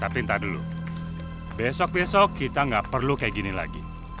tapi entah dulu besok besok kita nggak perlu kayak gini lagi